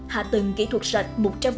hạ tầng kỹ thuật sạch một trăm linh